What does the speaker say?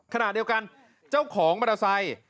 ขณะเดียวกันเจ้าของมอเตอร์ไซค์